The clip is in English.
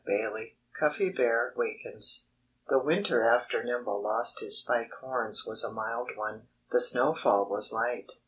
XIII CUFFY BEAR WAKENS The winter after Nimble lost his spike horns was a mild one. The snowfall was light.